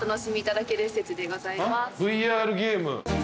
ＶＲゲーム。